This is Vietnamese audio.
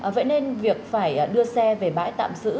vậy nên việc phải đưa xe về bãi tạm giữ